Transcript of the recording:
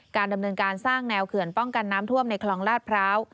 ดำเนินการสร้างแนวเขื่อนป้องกันน้ำท่วมในคลองลาดพร้าว